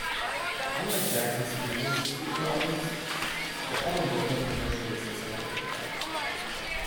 Unlike Jackson's previous studio albums, the album was not commercially successful worldwide.